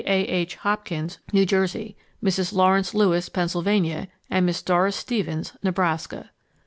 A. H. Hopkins, New Jersey; Mrs. Lawrence Lewis, Pennsylvania, and Miss Doris Stevens, Nebraska.